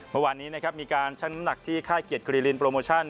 เมื่อวานนี้นะครับมีการชั้นน้ำหนักที่ค่ายเกียรติกรีลินโปรโมชั่น